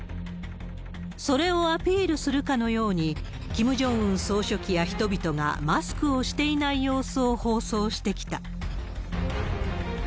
それをアピールするかのように、キム・ジョンウン総書記や人々がマスクをしていない様子を放送してきた。